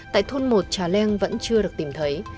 tại thôn một trà leng vẫn chưa được tìm thấy